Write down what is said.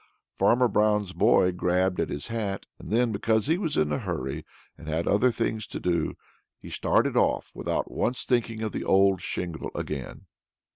Farmer Brown's boy grabbed at his hat, and then, because he was in a hurry and had other things to do, he started off without once thinking of the old shingle again.